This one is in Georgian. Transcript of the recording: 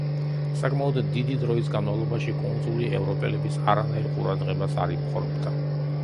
საკმაოდ დიდი დროის განმავლობაში კუნძული ევროპელების არანაირ ყურადღებას არ იპყრობდა.